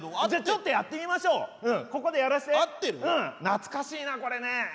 懐かしいなこれね。